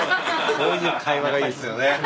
こういう会話がいいっすよね。